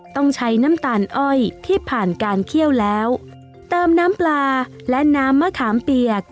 ต้องใช้น้ำตาลอ้อยที่ผ่านการเคี่ยวแล้วเติมน้ำปลาและน้ำมะขามเปียก